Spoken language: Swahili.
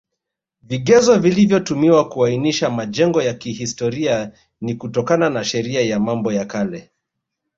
Vigezo vilivyotumiwa kuainisha majengo ya kihstoria ni kutokana na Sheria ya Mambo ya Kale